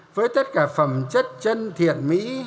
với tất cả phẩm chất chân thiện mỹ